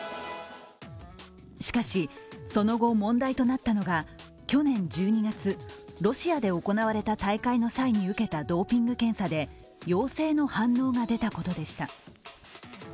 しかし、その後、問題となったのが去年１２月、ロシアで行われた大会の際に受けたドーピング検査で陽性の反応が出たことでした。